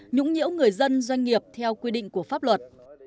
nhũng nhiễu người dân doanh nghiệp theo quy định của pháp luật